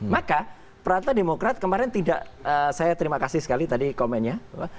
maka prata demokrat kemarin tidak saya terima kasih sekali tadi komennya